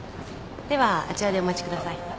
ではあちらでお待ちください。